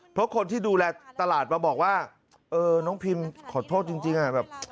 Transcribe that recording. เพราะคนที่ดูแลตลาดมาบอกว่าเออน้องพิมขอโทษจริงอ่ะแบบ